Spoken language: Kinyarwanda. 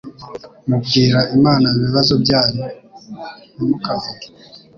mubwira Imana ibibazo byanyu. Ntimukavuge